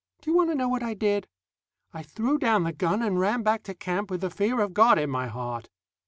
Do you want to know what I did? I threw down the gun and ran back to camp with the fear of God in my heart.